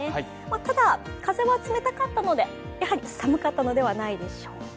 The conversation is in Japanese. ただ、風は冷たかったので、やはり寒かったのではないでしょうか。